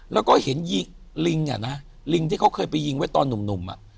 แล้วก็เห็นลิงอ่ะนะลิงที่เขาเคยไปยิงไว้ตอนหนุ่มอ่ะ